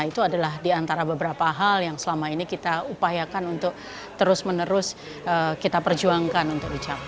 itu adalah diantara beberapa hal yang selama ini kita upayakan untuk terus menerus kita perjuangkan untuk dicapai